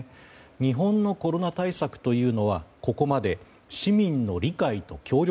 日本のコロナ対策というのはここまで市民の理解と協力